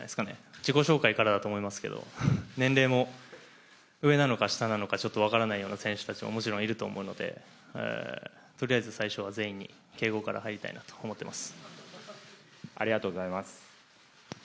自己紹介からだと思いますけど、年齢も上なのか下なのか分からない選手たちももちろんいると思うのでとりあえず最初は全員に敬語から入りたいと思っています。